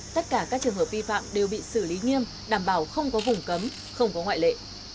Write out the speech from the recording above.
tất cả các trường hợp vi phạm đều bị xử lý nghiêm đảm bảo không có vùng cấm không có ngoại lệ